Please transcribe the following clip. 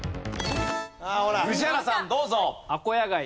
宇治原さんどうぞ。